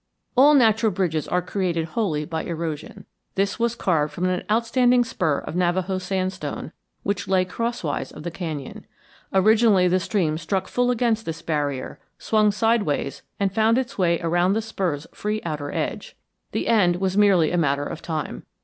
All natural bridges are created wholly by erosion. This was carved from an outstanding spur of Navajo sandstone which lay crosswise of the canyon. Originally the stream struck full against this barrier, swung sideways, and found its way around the spur's free outer edge. The end was merely a matter of time.